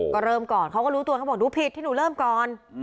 ก็เริ่มก่อนเขาก็รู้ตัวเขาบอกดูผิดที่หนูเริ่มก่อน